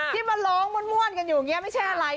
ที่มาร้องม่วนกันอยู่อย่างนี้ไม่ใช่อะไร